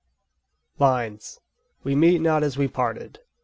LINES: 'WE MEET NOT AS WE PARTED'.